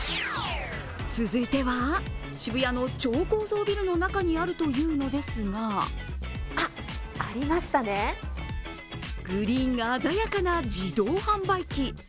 続いては、渋谷の超高層ビルの中にあるというのですがグリーンが鮮やかな自動販売機。